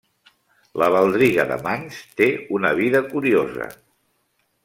La Baldriga de Manx té una vida curiosa.